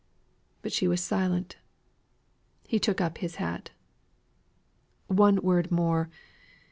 But she was silent. He took up his hat. "One word more.